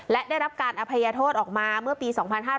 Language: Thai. และได้รับการอภัยโทษออกมาเมื่อปี๒๕๕๙